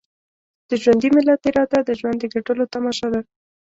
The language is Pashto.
د ژوندي ملت اراده د ژوند د ګټلو تماشه ده.